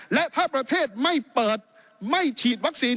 และถ้าประเทศไม่เปิดไม่ฉีดวัคซีน